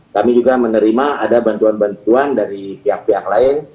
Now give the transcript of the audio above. kami juga menerima ada bantuan bantuan dari pihak pihak lain